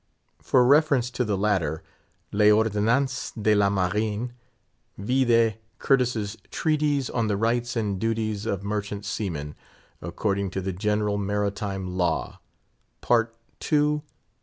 For reference to the latter (L'Ord. de la Marine), vide Curtis's Treatise on the Rights and Duties of Merchant Seamen, according to the General Maritime Law, Part ii.